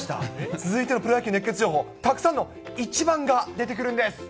続いてのプロ野球熱ケツ情報、たくさんの一番が出てくるんです。